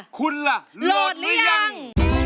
คุณล่ะโหลดหรือยัง